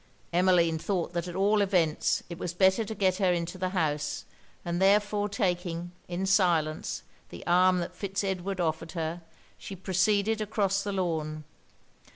Emmeline thought that at all events it was better to get her into the house; and therefore taking, in silence, the arm that Fitz Edward offered her, she proceeded across the lawn.